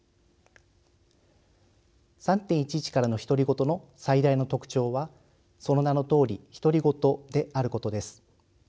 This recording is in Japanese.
「３．１１からの独り言」の最大の特徴はその名のとおり独り言であることです。